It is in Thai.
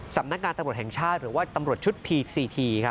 สำนักงานตำรวจแห่งชาติหรือว่าตำรวจชุดพีค๔ที